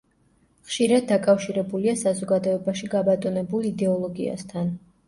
ხშირად დაკავშირებულია საზოგადოებაში გაბატონებულ იდეოლოგიასთან.